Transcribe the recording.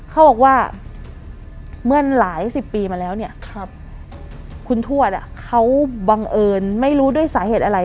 เขาบอกว่าเมื่อหลายสิบปีมาแล้วเนี่ยคุณทวดเขาบังเอิญไม่รู้ด้วยสาเหตุอะไร